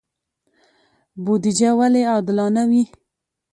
بودجه ولې عادلانه وي؟